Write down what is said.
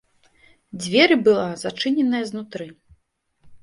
Дзверы была зачыненая знутры.